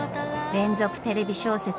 連続テレビ小説